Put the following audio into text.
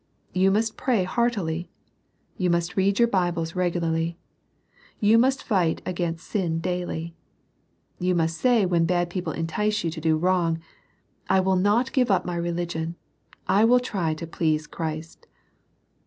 You must pray heartily. You must read your Bibles regularly. You must fight against sin daily. You must say when bad people entice you to do wrong, " I will not give up my religion : I will try to please Christ."